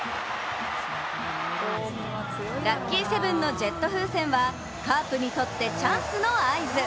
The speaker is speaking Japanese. ラッキーセブンのジェット風船はカープにとってチャンスの合図。